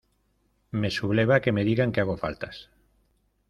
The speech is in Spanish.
Me subleva que me digan que hago faltas.